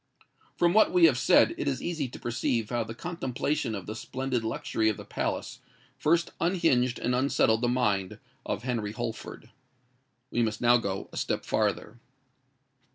From what we have said, it is easy to perceive how the contemplation of the splendid luxury of the palace first unhinged and unsettled the mind of Henry Holford. We must now go a step farther.